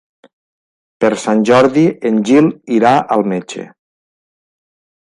Per Sant Jordi en Gil irà al metge.